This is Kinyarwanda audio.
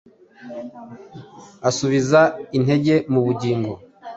asubiza intege mu bugingo